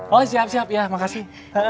oh siap siap ya makasih